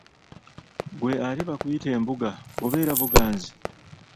Ggwe ate bakuyita embuga bubeera buganzi?